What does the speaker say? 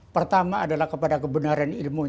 pertama adalah kepada kebenaran ilmu